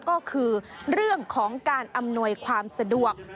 ก็คือเรื่องของการอำนวยความสะดวก